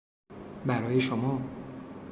برای شما